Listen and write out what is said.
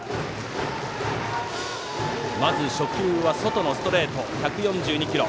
まず初球は外のストレート１４２キロ。